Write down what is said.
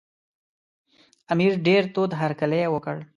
امیر ډېر تود هرکلی وکړ.